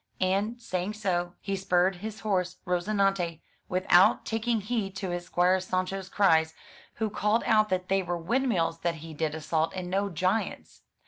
And, saying so, he spurred his horse Rozinante, without tak ing heed to his Squire Sancho*s cries, who called out that they were windmills that he did assault and no giants.